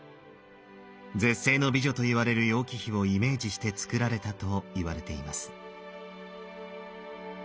絶世の美女と言われる楊貴妃をイメージして造られたといわれています。